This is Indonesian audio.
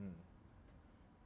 dan itu selalu benar benar benar